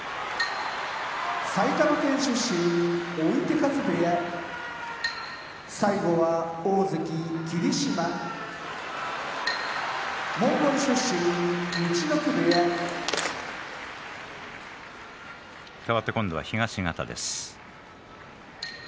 埼玉県出身追手風部屋大関・霧島モンゴル出身陸奥部屋かわって今度は東方です。